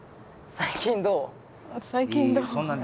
最近どう？